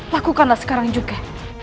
lakukanlah sekarang juga